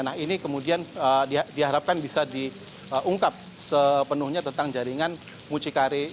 nah ini kemudian diharapkan bisa diungkap sepenuhnya tentang jaringan muncikari ini eva